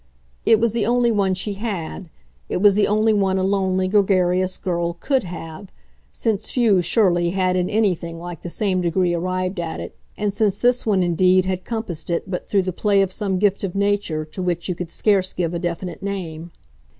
It was the only one she had it was the only one a lonely, gregarious girl COULD have, since few, surely, had in anything like the same degree arrived at it, and since this one indeed had compassed it but through the play of some gift of nature to which you could scarce give a definite name.